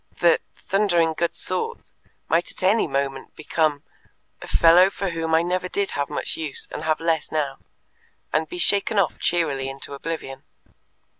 The "thundering good sort" might at any moment become "a fellow for whom I never did have much use, and have less now," and be shaken off cheerily into oblivion.